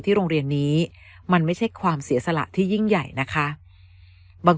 โรงเรียนนี้มันไม่ใช่ความเสียสละที่ยิ่งใหญ่นะคะบาง